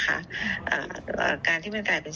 การที่มันกลายเป็นเสียงข้างมากได้